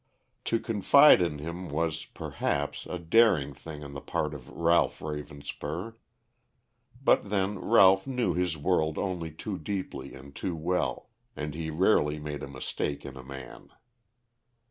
To confide in him was, perhaps, a daring thing on the part of Ralph Ravenspur. But, then, Ralph knew his world only too deeply and too well, and he rarely made a mistake in a man.